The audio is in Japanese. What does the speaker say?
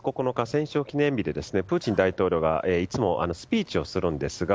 戦勝記念日でプーチン大統領がいつもスピーチをするんですが